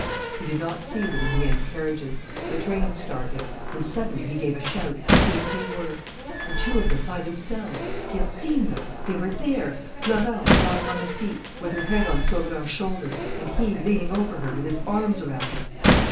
He did not see them in the end carriages. The train started. And suddenly he gave a shout: they were there, the two of them, by themselves! He had seen them! They were there: Florence, lying on the seat, with her head on Sauverand's shoulder, and he, leaning over her, with his arms around her!